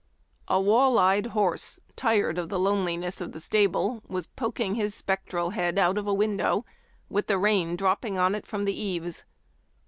A wall eyed horse, tired of the loneliness of the stable, was poking his spectral head out of a window, with the rain dropping on it from the eaves.